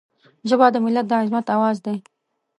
ژبه د ملت د عظمت آواز دی